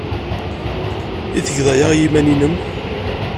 I tgeḍ aya i yiman-nnem?